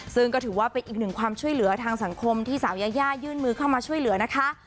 ซึ่งก็ถือว่าเป็นอีกหนึ่งความช่วยเหลือทางสังคมที่สาวยายายื่นมือเข้ามาช่วยเหลือนะคะ